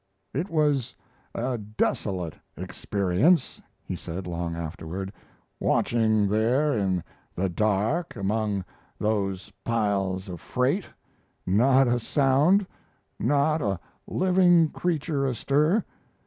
"It was a desolate experience," he said, long afterward, "watching there in the dark among those piles of freight; not a sound, not a living creature astir.